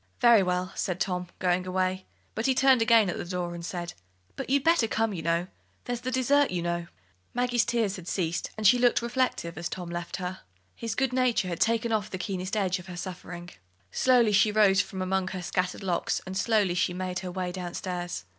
"Very well," said Tom, going away. But he turned again at the door and said: "But you'd better come, you know. There's the dessert, you know." Maggie's tears had ceased, and she looked reflective as Tom left her. His good nature had taken off the keenest edge of her suffering. Slowly she rose from among her scattered locks, and slowly she made her way down stairs.